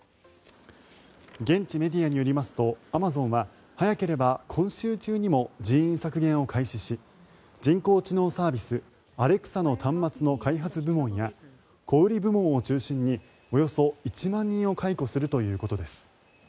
現地メディアによりますとアマゾンは早ければ今週中にも人員削減を開始し人工知能サービスアレクサの端末の開発部門や小売部門を中心におよそ１万人を解雇するということです。